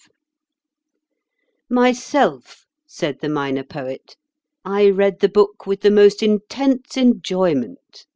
V "MYSELF," said the Minor Poet, "I read the book with the most intense enjoyment.